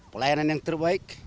pelayanan yang terbaik